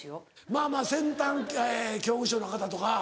まぁまぁ先端恐怖症の方とか。